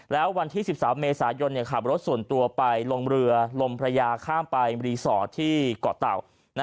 แล้ววันที่๑๓เมษายนขับรถส่วนตัวไปลงเรือลมพระยาข้ามไปรีสอร์ทที่เกาะเต่า